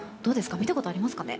見たことありますかね？